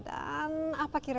dan apa kira kira